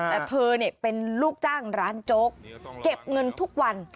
แต่เธอเป็นลูกจ้างร้านโจ๊กเก็บเงินทุกวัน